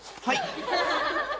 はい。